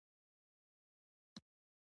ګلداد نېغ را پاڅېد: ته هغه ټوپک راواخله.